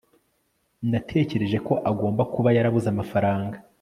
natekereje ko agomba kuba yarabuze amafaranga